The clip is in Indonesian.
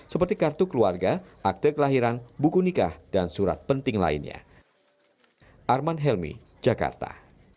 seperti kartu keluarga akte kelahiran buku nikah dan surat penting lainnya